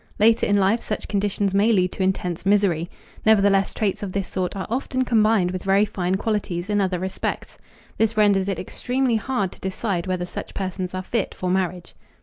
Later in life such conditions may lead to intense misery. Nevertheless traits of this sort are often combined with very fine qualities in other respects. This renders it extremely hard to decide whether such persons are fit for marriage.